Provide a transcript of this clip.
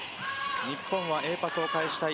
日本はＡパスを返したい。